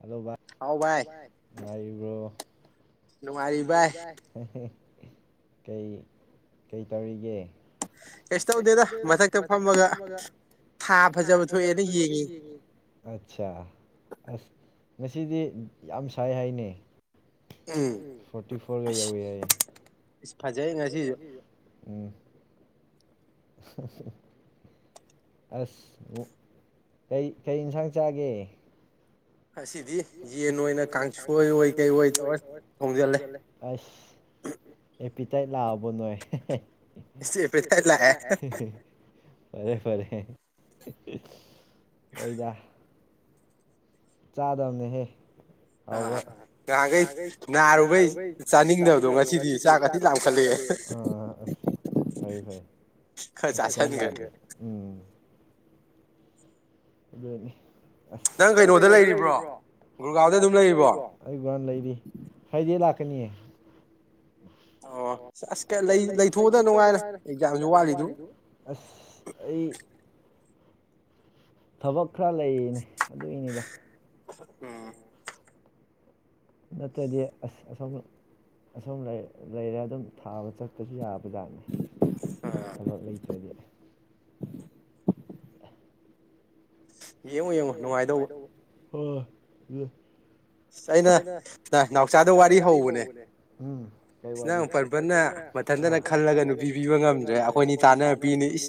hello bye ꯅꯨꯡꯉꯔꯤꯕ꯭ꯔꯣ ꯀꯩ ꯀꯩ ꯇꯧꯔꯤꯒꯦ ꯀꯩꯁꯨ ꯇꯧꯗꯦꯗ ꯃꯊꯛꯇ ꯐꯝꯃꯒ ꯊꯥ ꯐꯖꯕ ꯊꯣꯛꯑꯦꯅ ꯌꯦꯡꯉ ꯑꯁ ꯉꯁꯤꯗꯤ ꯌꯥꯝ ꯁꯥꯏ ꯍꯥꯏꯅꯦ ꯐꯣꯔꯇꯤ ꯐꯣꯔꯒ ꯌꯧꯋꯤ ꯌꯥꯏ ꯐꯖꯩ ꯉꯁꯤꯁꯨ ꯎꯝ [inaudible] ꯑꯁ ꯀꯩ ꯀꯩ ꯌꯦꯟꯁꯥꯡ ꯆꯥꯒꯦ ꯑꯁꯤꯗꯤ ꯌꯦꯟ ꯑꯣꯏꯅ ꯀꯥꯡꯁꯣꯏ ꯑꯣꯏ ꯀꯩ ꯑꯣꯏ ꯇꯧꯔ ꯊꯣꯡꯖꯤꯜꯂꯦ ꯄꯤꯇꯥꯏ ꯂꯥꯛꯑꯕ ꯅꯣꯏ ꯐꯔꯦ ꯐꯔꯦ ꯑꯣꯏꯣꯏꯗ ꯆꯥꯗꯅꯦ ꯍꯦ ꯕ ꯉꯍꯥꯟꯈꯩ ꯅꯥꯔꯨꯈꯩ ꯆꯥꯅꯤꯡꯗꯕꯗꯣ ꯉꯁꯤꯗꯤ ꯆꯥꯛ ꯈꯗꯤꯤ ꯂꯥꯈꯠꯂꯦ ꯎꯝ ꯑꯗꯨꯅꯤ ꯑꯁ ꯅꯪ ꯀꯩꯅꯣꯗ ꯂꯩꯔꯤꯕ꯭ꯔꯣ ꯒꯥꯗ ꯑꯗꯨꯝ ꯂꯩꯔꯤꯕꯣ ꯑꯩ ꯀꯥꯟ ꯂꯩꯔꯤ ꯍꯥꯏꯗꯤ ꯅꯤ ꯑꯣ ꯑꯁ ꯂꯩꯊꯣꯛꯑꯗꯅ ꯅꯨꯡꯉꯥꯏꯔꯦ ꯑꯦꯛꯖꯥꯝꯁꯨ ꯋꯥꯠꯂꯤꯗꯨ ꯊꯕꯛ ꯈꯔ ꯂꯩꯌꯦꯅꯦ ꯑꯗꯨꯒꯤꯅꯤꯗ ꯎꯝ ꯅꯠꯇ꯭ꯔꯗꯤ ꯑꯁ ꯑꯁꯣ ꯂꯩꯔꯦ ꯑꯗꯨꯝ ꯊꯥꯕ ꯆꯠꯄꯁꯨ ꯌꯥꯕ ꯈꯨꯖꯥꯅꯤ ꯊꯕꯛ ꯂꯩꯇ꯭ꯔꯗꯤ ꯑꯩ ꯌꯦꯡꯉꯣ ꯌꯦꯡꯉꯨ ꯅꯨꯡꯉꯥꯏꯗꯧꯕ ꯑꯣ ꯑꯩꯅ ꯅꯥꯎꯆꯥꯗ ꯋꯥꯔꯤ ꯍꯧꯕꯅꯦ ꯐꯖꯅ ꯐꯖꯅꯅ ꯈꯜꯂꯒ ꯅꯨꯄꯤ ꯄꯤꯕ ꯉꯝꯗ꯭ꯔꯦ ꯑꯩꯈꯣꯏꯅꯤ ꯇꯥꯟꯅ ꯄꯅꯤ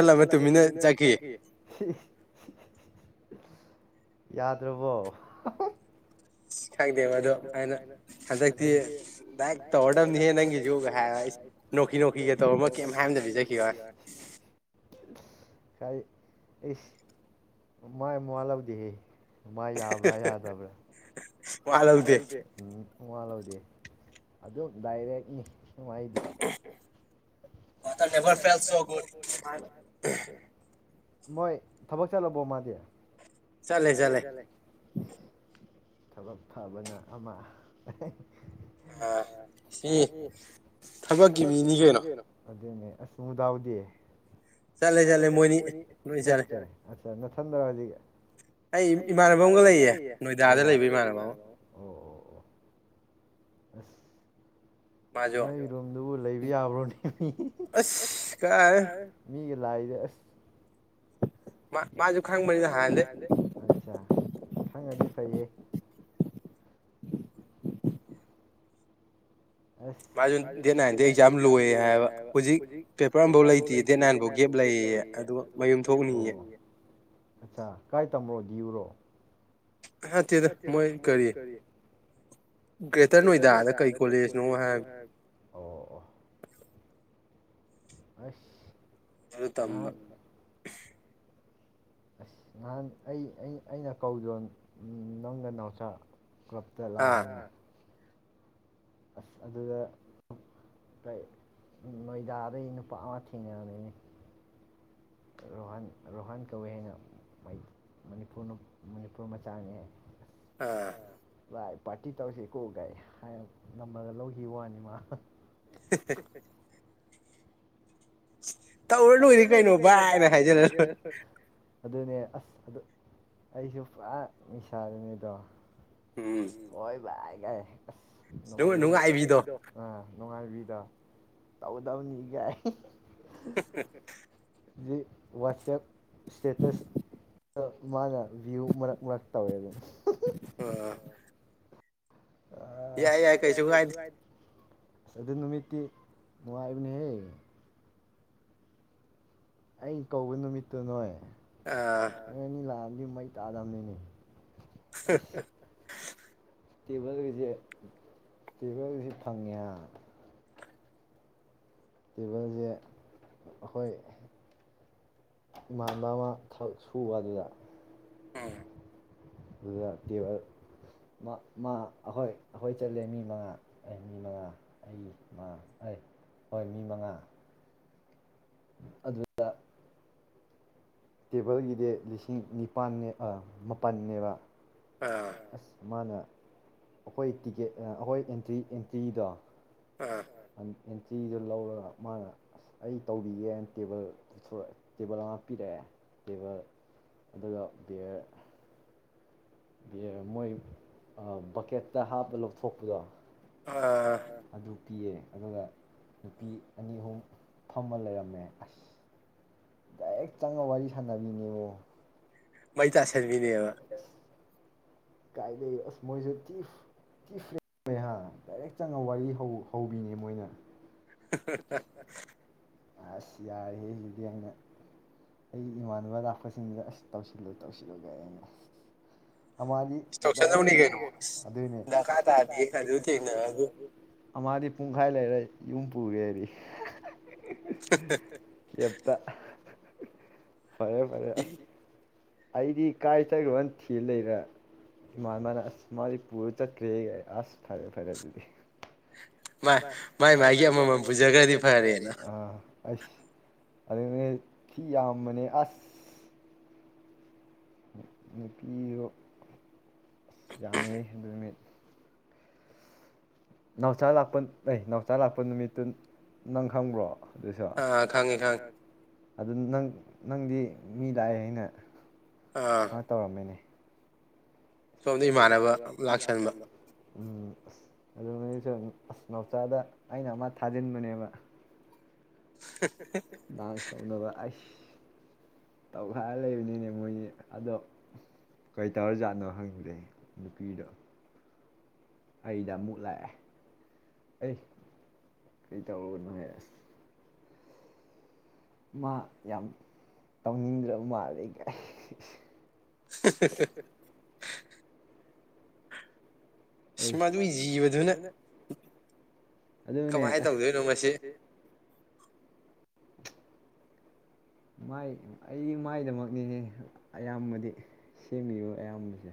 ꯅꯣꯛꯁꯜꯂꯒ ꯇꯨꯃꯤꯟꯅ ꯆꯠꯈꯤ ꯌꯥꯗ꯭ꯔꯕꯣ ꯈꯪꯗꯦ ꯃꯗꯣ ꯑꯅ ꯍꯟꯗꯛꯇꯤ ꯂꯥꯏꯛ ꯇꯧꯔꯗꯕꯅꯤꯍꯦ ꯅꯪꯒꯤꯁꯨ ꯍꯥꯏ ꯅꯣꯛꯀꯤ ꯅꯣꯛꯀꯤꯒ ꯇꯧꯕ ꯑꯃ ꯀꯩꯝ ꯍꯥꯏꯗꯕꯤꯖꯈꯤꯕ ꯏ ꯃꯥꯏ ꯃꯂꯕꯗꯤꯍꯦ ꯃꯥ ꯌꯥꯕ꯭ꯔꯥ ꯌꯥꯗꯕ꯭ꯔꯥ ꯃꯥꯋꯥꯂꯎꯗꯦ ꯃꯋꯥꯂꯧꯗꯦ ꯑꯗꯨꯝ ꯗꯥꯏꯔꯦꯛꯅꯤ ꯅꯨꯡꯉꯥꯏꯗꯤ ꯂꯦꯚꯔ ꯐꯦꯜ ꯁꯣ ꯒꯨꯗ ꯃꯣꯏ ꯊꯕꯛ ꯆꯠꯂꯕꯣ ꯃꯥꯗꯤ ꯆꯠꯂꯦ ꯆꯠꯂꯦ ꯊꯕꯛ ꯐꯕꯅ ꯑꯃ ꯑ ꯁꯤ ꯊꯕꯛꯀꯤ ꯃꯤꯅꯤ ꯀꯩꯅꯣ ꯑꯗꯨꯅꯦ ꯑꯁ ꯃꯨꯗꯥꯎꯗꯤ ꯆꯠꯂꯦ ꯆꯠꯂꯦ ꯃꯣꯏꯅꯤ ꯆꯥ ꯆꯥ ꯅꯊꯟꯗꯥꯔꯣ ꯍꯧꯖꯤꯛ ꯑꯩ ꯏꯃꯥꯟꯅꯕ ꯑꯃꯒ ꯂꯩꯌꯦ ꯅꯣꯏꯗ ꯂꯩꯕ ꯏꯃꯥꯟꯅꯕ ꯑꯁ ꯅꯪꯒꯔ ꯔꯨꯝꯗꯨꯕꯨ ꯂꯩ ꯌꯥꯕ꯭ꯔꯣꯅꯤ ꯑꯁ ꯀꯥꯏꯗꯩꯅꯣ ꯃꯤ ꯂꯥꯏꯁꯦ ꯑꯁ ꯃꯥ ꯃꯥꯁꯨ ꯈꯪꯕꯅꯤꯗ ꯍꯥꯟꯗꯩ ꯈꯪꯉꯗꯤ ꯐꯩꯌꯦ [inaudible] ꯑꯁ ꯃꯥꯁꯨ ꯗꯦꯠ ꯅꯥꯏꯟꯁ ꯑꯦꯛꯖꯥꯝ ꯂꯣꯏ ꯍꯥꯏꯕ ꯍꯧꯖꯤꯛ ꯄꯦꯄꯔ ꯑꯃꯐꯥꯎ ꯂꯩꯇꯦ ꯗꯦꯠ ꯅꯥꯏꯟ ꯐꯥꯎ ꯒꯦꯞ ꯂꯩ ꯑꯗꯨꯒ ꯃꯌꯨꯝ ꯊꯣꯛꯅꯤꯌꯦ ꯑꯠꯁꯥ ꯀꯥꯢ ꯇꯝꯕ꯭ꯔꯣ ꯕ꯭ꯔꯣ ꯅꯠꯇꯦꯗ ꯃꯣꯏ ꯀꯔꯤ ꯒ꯭ꯔꯦꯇꯔ ꯅꯣꯏꯗꯥꯗ ꯀꯩ ꯀꯣꯂꯦꯖꯅꯣ ꯍꯥꯏꯕꯅꯦ ꯑꯁ ꯉꯥꯍꯥꯟ ꯑꯁ ꯅꯍꯥꯟ ꯑꯩ ꯑꯩ ꯑꯩꯅ ꯀꯧꯖꯣꯟ ꯅꯪꯅ ꯅꯥꯎꯆꯥ ꯀ꯭ꯔꯞꯇ ꯂꯥꯎ ꯍꯥꯏꯦꯅ ꯑꯁ ꯑꯗꯨꯗ ꯅꯣꯏꯗꯥꯗꯒꯤ ꯅꯨꯄꯥ ꯑꯃ ꯊꯦꯡꯅꯕꯅꯤꯅꯦ ꯔꯣꯍꯥꯟ ꯔꯣꯍꯥꯟ ꯀꯧꯋꯦ ꯍꯥꯏꯅ ꯃꯩ ꯃꯅꯤꯄꯨꯔ ꯃꯅꯤꯄꯨꯔ ꯃꯆꯥꯅꯤ ꯑꯥ ꯚꯥꯏ ꯄꯥꯔꯇꯤ ꯇꯧꯁꯤ ꯀꯣ ꯀꯩ ꯍꯥꯏ ꯅꯝꯕꯔ ꯂꯧꯈꯤꯕ ꯋꯥꯅꯤ ꯃꯥ [unintelligible] [inaudible] ꯇꯧꯔꯥ ꯂꯣꯏꯔꯦ ꯀꯩꯅꯣ ꯚꯥꯏ ꯍꯥꯏꯅ ꯍꯥꯏꯖꯤꯜꯂ ꯂꯣꯏ ꯑꯗꯨꯅꯦ ꯑꯁ ꯑꯗꯨ ꯑꯩꯁꯨ ꯄꯨꯔꯥ ꯅꯤꯁꯥꯗꯅꯦꯗꯣ ꯍꯣꯏ ꯚꯥꯏ [unintelligible] ꯗꯨꯒ ꯅꯨꯡꯉꯥꯏꯕꯤꯗꯣ ꯑꯥ ꯅꯨꯡꯉꯥꯏꯕꯤꯗ ꯇꯧꯒꯗꯕꯅꯤ ꯒꯥꯏ ꯎꯝ [inaudible] ꯋꯥꯆꯦꯞ ꯏꯁꯇꯦꯇꯁꯇ ꯃꯥꯅ ꯚ꯭ꯌꯨ ꯃꯔꯛ ꯃꯔꯛ ꯇꯧꯋꯦ ꯑꯗꯨꯝ ꯑ ꯌꯥꯏ -ꯌꯥꯏ ꯀꯩꯁꯨꯨ ꯀꯥꯏ ꯑꯗꯨ ꯅꯨꯃꯤꯠꯇꯤ ꯅꯨꯡꯉꯥꯏꯕꯅꯦ ꯍꯦ ꯑꯩ ꯀꯧꯕ ꯅꯨꯃꯤꯠꯇꯨ ꯅꯣꯏ ꯅꯣꯏꯅꯤ ꯂꯥꯑꯅꯤ ꯌꯃꯩ ꯇꯥꯗꯥꯝꯅꯤꯅꯦ [unintelligible] ꯇꯦꯕꯜꯒꯤꯁꯦ -ꯇꯦꯕꯜꯒꯤꯁꯦ ꯐꯪꯉꯦ ꯍꯥ ꯇꯦꯕꯜꯁꯦ ꯑꯩꯈꯣꯏ ꯏꯃꯥꯟꯕ ꯑꯃ ꯁꯨꯕ ꯑꯗꯨꯗ ꯍꯝ ꯑꯗꯨꯗ ꯇꯦꯕꯦꯜ ꯑꯩꯈꯣꯏ- ꯑꯩꯈꯣꯏ ꯆꯠꯂꯦ ꯃꯤ ꯃꯉꯥ ꯑꯦ ꯃꯤ ꯃꯉꯥ ꯑꯩ ꯑꯦ ꯍꯣꯏ ꯃꯤ ꯃꯉꯥ ꯑꯗꯨꯗ ꯇꯦꯕꯜꯒꯤꯗꯤ ꯂꯤꯁꯤꯡ ꯅꯤꯄꯥꯜꯅꯦ ꯑ ꯃꯥꯄꯜꯅꯦꯕ ꯑꯁ ꯃꯥꯅ ꯑꯩꯈꯣꯏ ꯇꯤꯀꯦꯠ ꯑꯩꯈꯣꯏ ꯑꯦꯟꯇ꯭ꯔꯤ- ꯑꯦꯟꯇ꯭ꯔꯤꯗꯣ ꯑꯥ ꯑꯦꯟꯇ꯭ꯔꯤꯗꯨ ꯂꯧꯔꯒ ꯃꯥꯅ ꯑꯁ ꯑꯩ ꯇꯧꯕꯤꯒꯦꯅ ꯇꯦꯕꯜ -ꯇꯦꯕꯜ ꯑꯃ ꯍꯥꯞꯄꯤꯔꯛ ꯑꯦ ꯇꯦꯕꯜ ꯑꯗꯨꯒ ꯆꯤꯌ꯭ꯔ ꯃꯣꯏ ꯕꯛꯀꯦꯠꯇ ꯍꯥꯞꯄ ꯂꯧꯊꯣꯛꯄꯗꯣ ꯑꯁ ꯑꯗꯨ ꯄꯤꯌꯦ ꯑꯗꯨꯒ ꯅꯨꯄꯤ ꯑꯅꯤ - ꯑꯍꯨꯝ ꯐꯝꯃ ꯂꯩꯔꯝꯃꯦ ꯑꯁ ꯗꯥꯏꯔꯦꯛ ꯆꯪꯉꯒ ꯋꯥꯔꯤ ꯁꯥꯟꯅꯕꯤꯅꯦꯕꯣ ꯃꯩ ꯇꯥꯁꯟꯕꯤꯅꯦꯕ ꯀꯥꯏꯗꯩ ꯑꯁ ꯃꯣꯏꯖꯨ ꯊꯤ ꯐ꯭ꯔꯠꯂꯤ ꯑꯣꯏ ꯍꯥ ꯗꯥꯏꯔꯦꯛ ꯆꯪꯉꯒ ꯋꯥꯔꯤ ꯍꯧ -ꯍꯧꯕꯤꯅꯤ ꯃꯣꯏꯅ [unintelligible] ꯑꯁ ꯌꯥꯔꯦꯍꯦꯁꯤꯗꯤ ꯑꯩꯅ ꯑꯩꯒꯤ ꯏꯃꯥꯟꯅꯕ ꯂꯥꯛꯄꯁꯤꯡꯗꯨꯗ ꯑꯁ ꯇꯧꯁꯤꯜꯂꯨ- ꯇꯧꯁꯤꯜꯂꯨꯒ ꯑꯦ [unintelligible] ꯑꯗꯨꯅꯦ [unintelligible] ꯑ ꯃꯥꯗꯤ ꯄꯨꯡꯈꯥꯏ ꯂꯩꯔꯦ ꯌꯨꯝ ꯄꯨꯒꯦꯔꯤ ꯌꯦꯞꯇ ꯐꯔꯦ- ꯐꯔꯦ ꯑꯁ ꯑꯩꯗꯤ ꯀꯥꯏꯆꯠꯈ꯭ꯔꯕꯅ ꯊꯤ ꯂꯩꯔꯦ ꯏꯃꯥꯟꯕꯅ ꯑꯁ ꯃꯥꯗꯤ ꯄꯨꯔ ꯆꯠꯔꯦꯍꯦ ꯑꯁ ꯐꯔꯦ -ꯐꯔꯦ ꯑꯗꯨꯗꯤ ꯃꯥꯏ ꯃꯥꯒꯤ ꯑꯃꯃꯝꯕꯨꯖꯒ꯭ꯔꯗꯤ ꯐꯔꯦ ꯑꯁ ꯑꯗꯨ ꯊꯤꯌꯥꯃꯅꯦ ꯑ ꯅꯨꯄꯤꯗꯣ ꯑꯁ ꯌꯥꯝꯃꯤ ꯑꯗꯨꯃꯤꯠ ꯅꯥꯎꯆꯥ ꯂꯥꯛꯄ ꯑꯩ ꯅꯥꯎꯆꯥ ꯂꯥꯛꯄ ꯅꯨꯃꯤꯠꯇꯨ ꯅꯪ ꯈꯪꯕ꯭ꯔꯣ ꯈꯉꯤ ꯈꯥꯉꯤ ꯑꯗꯨ ꯅꯪ ꯅꯪꯗꯤ ꯃꯤ ꯂꯥꯛꯑꯦ ꯍꯥꯏꯅ ꯑ ꯇꯧꯔꯝꯃꯤꯅꯦ ꯁꯣꯝꯗ ꯏꯃꯥꯟꯅꯕ ꯂꯥꯛꯁꯟꯕ ꯎꯝ ꯑꯁ ꯑꯗꯨ ꯅꯩꯁꯨ ꯑꯁ ꯅꯥꯎꯆꯥꯗ ꯑꯩꯅ ꯑꯃ ꯊꯥꯖꯤꯟꯕꯅꯦꯕ ꯗꯥꯟꯁ ꯇꯧꯅꯕ ꯑꯁ ꯇꯧꯈꯥꯏꯔ ꯂꯩꯕꯅꯤꯅꯦ ꯃꯣꯏꯅꯤ ꯑꯗꯣ ꯀꯔꯤ ꯇꯧꯔ ꯖꯥꯠꯅꯣ ꯈꯪꯗꯦ ꯅꯨꯄꯤꯗꯣ ꯑꯩꯗ ꯑꯃꯨꯛ ꯂꯥꯛꯑꯦ ꯑꯩ ꯀꯩ ꯇꯧꯔꯨꯅꯣꯍ ꯑꯁ ꯃꯥ ꯌꯥꯝ ꯇꯧꯅꯤꯡꯗ꯭ꯔꯕ ꯃꯥꯜꯂꯦ [inaudible] ꯑꯦ ꯃꯗꯨꯏ ꯖꯤꯕꯗꯨꯅ ꯑꯗꯨꯅꯦ ꯑꯁꯥꯏ ꯇꯧꯗꯣꯏꯅꯣ ꯉꯁꯤ ꯃꯥꯏ ꯑꯩꯒꯤ ꯃꯥꯏꯗꯃꯛꯅꯤꯅꯦ ꯑꯌꯥꯝꯕꯗꯤ ꯁꯦꯝꯃꯤꯕ ꯑꯌꯥꯝꯕꯁꯦ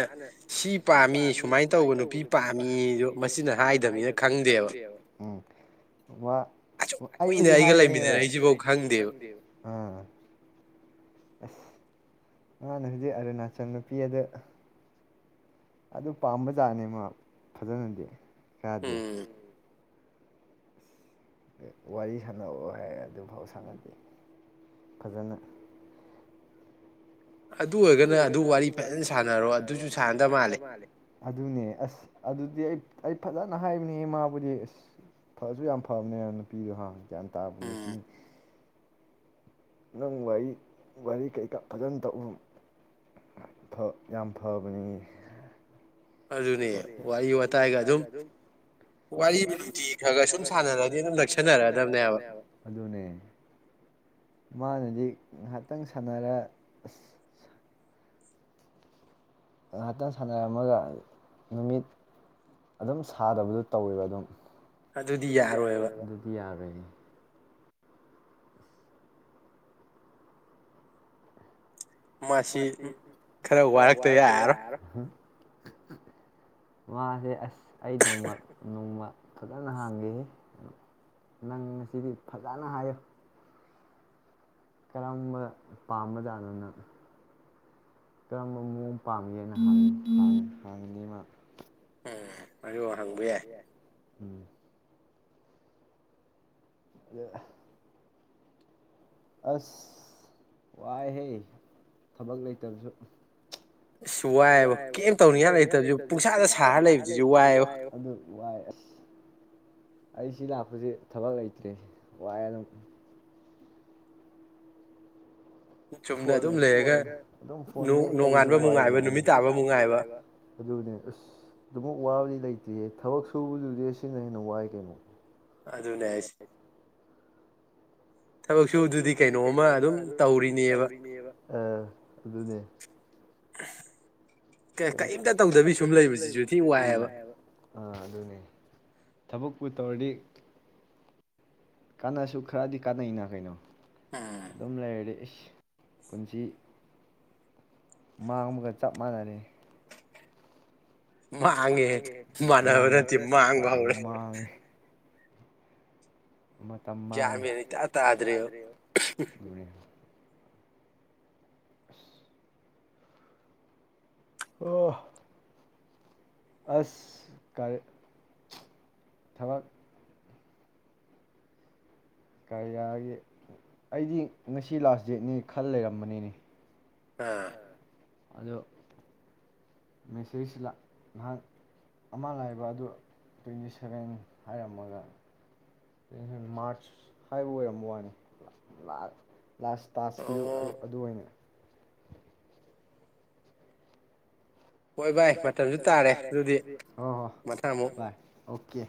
ꯃꯥꯅ ꯁꯤ ꯄꯥꯝꯃꯤ ꯁꯨꯃꯥꯏꯅ ꯇꯧꯕ ꯅꯨꯄꯤ ꯄꯥꯝꯃꯤꯁꯨ ꯃꯁꯤꯅ ꯍꯥꯏꯗꯕꯅꯤꯅ ꯈꯪꯗꯦꯕ ꯎ ꯑꯩꯕꯨꯗꯤ ꯍꯥꯏꯕ ꯑꯩꯁꯤꯐꯥꯎ ꯈꯪꯗꯦꯕ ꯎ ꯑꯁ ꯃꯥꯥꯟꯅ ꯍꯧꯖꯤꯛ ꯑꯔꯨꯅꯥꯆꯟ ꯅꯨꯨꯄꯤ ꯑꯗ ꯑꯗꯨ ꯄꯥꯝꯕ ꯖꯥꯠꯅꯦ ꯃꯥ ꯐꯖꯅꯗꯤ ꯀꯗꯦ ꯋꯥꯔꯤ ꯁꯥꯟꯅꯑꯣ ꯍꯥꯏ ꯑꯗꯨꯐꯥꯎ ꯁꯥꯟꯅꯗꯦ ꯐꯖꯅ ꯑꯗꯨ ꯑꯣꯏꯔꯒꯅ ꯑꯗꯨ ꯋꯥꯔꯤ ꯐꯖꯅ ꯁꯥꯟꯅꯔꯣ ꯑꯗꯨꯁꯨ ꯁꯥꯟꯅꯗꯕ ꯃꯥꯜꯂꯦ ꯑꯗꯨꯅꯦ ꯑꯁ ꯑꯗꯨꯗꯤ ꯑꯩ ꯑꯩ ꯐꯖꯅ ꯍꯥꯏꯕꯅꯤ ꯃꯥꯕꯨꯗꯤ ꯑꯁ ꯐꯁꯨ ꯌꯥꯝ ꯐꯕꯅꯦ ꯅꯨꯄꯤꯗꯣ ꯍꯥ ꯒ꯭ꯌꯥꯟ ꯇꯥꯕ ꯅꯨꯄꯤ ꯅꯪ ꯀꯩꯀꯥ ꯐꯖꯅ ꯇꯧ ꯌꯥꯝ ꯐꯕꯅꯤ ꯑꯗꯨꯅꯦ ꯋꯥꯔꯤ ꯋꯥꯇꯥꯏꯒ ꯑꯗꯨꯝꯅꯨꯡꯇꯤ ꯈ ꯁꯔꯗꯤ ꯑꯗꯨ ꯅꯛꯁꯟꯅꯔꯗꯕꯅꯦꯕ ꯑꯗꯨꯅꯦꯅꯗꯤ ꯉꯥꯏꯍꯥꯛꯇꯪ ꯁꯥꯟꯅꯔ ꯑꯁ ꯉꯥꯏꯍꯥꯛꯇꯪ ꯁꯥꯟꯅꯔꯝꯃꯒ ꯅꯨꯃꯤꯠ ꯑꯗꯨꯝ ꯁꯥꯗꯕꯗ ꯇꯧꯋꯦꯕ ꯑꯗꯨꯝ ꯑꯗꯨꯗꯤ ꯌꯥꯔꯣꯏ ꯑꯗꯨꯗꯤ ꯌꯥꯔꯣꯏꯅꯦ ꯃꯁꯤ ꯈꯔ ꯋꯥꯔꯛꯇ ꯌꯥꯔꯣꯏ ꯋꯥ ꯑꯦ ꯑꯁ ꯑꯩ ꯅꯣꯡꯃ ꯅꯣꯡꯃ ꯐꯖꯅ ꯍꯥꯡꯈꯤ ꯅꯪ ꯉꯁꯤꯗꯤ ꯐꯖꯅ ꯍꯥꯏꯌꯨ ꯀꯔꯝꯕ ꯄꯥꯝꯕꯖꯥꯠꯅꯣꯅ ꯀꯔꯝꯕ ꯃꯑꯣꯡ ꯄꯥꯝꯒꯦꯅ ꯍ ꯍ ꯃꯥ ꯎꯝ ꯃꯗꯨ ꯍꯪꯕ ꯌꯥꯏ ꯎꯝ ꯑ ꯑꯁ ꯋꯥꯏꯍꯦ ꯊꯕꯛ ꯂꯩꯇꯕꯁꯨ ꯑꯁ ꯋꯥꯏꯌꯦꯕꯨ ꯀꯩꯝ ꯇꯧꯅꯤꯉꯥꯢ ꯂꯩꯇꯕꯁꯦ ꯄꯨꯡꯁꯥꯗ ꯁꯥꯔ ꯂꯩꯕꯁꯤꯁꯨ ꯋꯥꯏꯌꯦꯕꯨ ꯋꯥꯏ ꯑꯁ ꯑꯩ ꯁꯤ ꯂꯥꯛꯄꯁꯦ ꯊꯕꯛ ꯂꯩꯇ꯭ꯔꯦ ꯋꯥꯏ ꯑꯗꯨꯝ ꯐꯣꯟ ꯐꯣꯟ ꯑꯗꯨꯝ ꯐꯣꯟ ꯃꯦꯠ ꯂꯩꯕꯁꯤ ꯋꯥꯢꯅꯦ ꯑꯁ ꯑꯗꯨꯃꯨꯛ ꯋꯥꯕꯗꯤ ꯂꯩ ꯇꯦꯍꯦ ꯊꯕꯛꯁꯨꯕꯗꯨꯗꯤ ꯁꯤꯅ ꯍꯦꯟꯅ ꯋꯥꯏ ꯀꯩꯅꯣ ꯑꯗꯨꯅꯦ ꯍꯥꯏꯁꯦ ꯊꯕꯛ ꯁꯨꯕꯗꯨꯗꯤ ꯀꯩꯅꯣꯝꯃ ꯑꯗꯨ ꯑꯗꯨꯝ ꯇꯧꯔꯤꯅꯦꯕ ꯑꯗꯨꯅꯦ ꯀꯩ ꯀꯧꯝꯇ ꯇꯧꯗꯕꯤ ꯁꯨꯝ ꯂꯩꯕꯁꯤꯁꯨ ꯊꯤ ꯋꯥꯏꯑꯦꯕ ꯑꯥ ꯑꯗꯨꯅꯦ ꯊꯕꯛꯄꯨ ꯇꯧꯔꯗꯤ ꯀꯥꯟꯅꯁꯨ ꯈꯔꯗꯤ ꯀꯥꯟꯅꯩꯅ ꯀꯩꯅꯣ ꯑꯗꯨꯝ ꯂꯩꯔꯗꯤ ꯢꯁ ꯄꯨꯟꯁꯤ ꯃꯥꯡꯕꯒ ꯆꯞ ꯃꯥꯟꯅꯔꯦ ꯃꯥꯡꯉꯦ [unintelligible] ꯌꯥꯝ ꯃꯥꯡꯉꯦ ꯃꯇꯝ ꯃꯥꯡꯉꯦ ꯒ꯭ꯌꯥꯟ ꯃꯦꯟ ꯏꯇꯥ ꯇꯥꯗ꯭ꯔꯦꯕ ꯑꯣ ꯑꯁ ꯀꯔꯤ ꯊꯕꯛ ꯀꯥꯔꯔꯤꯌꯥꯒꯤ ꯑꯩꯗꯤ ꯉꯁꯤ ꯂꯥꯁ ꯗꯦꯠꯅꯦ ꯈꯜ ꯂꯩꯔꯝꯕꯅꯤꯅꯦ ꯑꯥ ꯑꯗꯣ ꯃꯦꯁꯦꯖꯁ ꯂꯥꯛ ꯅꯍꯥꯛ ꯑꯃ ꯂꯥꯛꯑꯦꯕ ꯑꯗꯨꯗ ꯇ꯭ꯋꯦꯟꯇꯤ ꯁꯚꯦꯟ ꯍꯥꯏꯔꯝꯃꯒ ꯇ꯭ꯋꯦꯟꯇꯤ ꯁꯚꯦꯟ ꯃꯥ꯭ꯔꯁ ꯍꯥꯏꯕ ꯑꯣꯏꯔꯝꯕ ꯋꯥꯅꯤ ꯂꯥꯟ ꯂꯥꯁ ꯇꯥꯀꯁꯀꯤꯗꯨ ꯑꯗꯨ ꯑꯣꯏꯅ ꯍꯣꯏ ꯚꯥꯏ ꯃꯇꯝꯁꯨ ꯇꯥꯔꯦ ꯑꯗꯨꯗꯤ ꯃꯊꯪ ꯑꯃꯨꯛ ꯍꯣ ꯍꯣ ꯚꯥꯢ ꯑꯣꯀꯦ